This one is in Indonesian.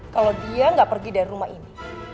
kalau dia nggak pergi dari rumah ini